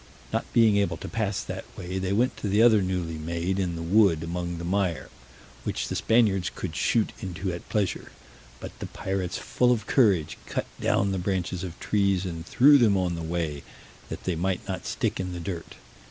Not being able to pass that way, they went to the other newly made in the wood among the mire, which the Spaniards could shoot into at pleasure; but the pirates, full of courage, cut down the branches of trees and threw them on the way, that they might not stick in the dirt.